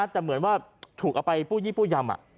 แต่เหมือนว่าถูกเอาไปปู้ยี่ปู้ยำ